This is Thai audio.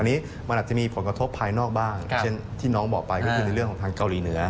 อันนี้มันอาจจะมีผลกระทบภายนอกบ้างเช่นที่น้องบอกไปก็คือในเรื่องของทางเกาหลีเหนือ